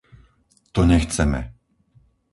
To nechceme!